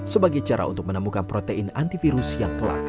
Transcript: sebagai cara untuk menemukan protein antivirus yang telah terjadi